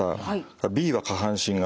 Ｂは下半身型。